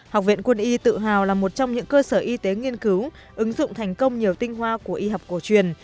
học viện quân y tự hào là một trong những cơ sở y tế nghiên cứu ứng dụng thành công nhiều tinh hoa của y học cổ truyền